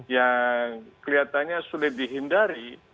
yang kelihatannya sulit dihindari